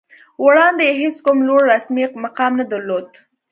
وړاندې یې هېڅ کوم لوړ رسمي مقام نه درلود